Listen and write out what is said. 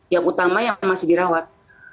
yang utama yang masih dirawat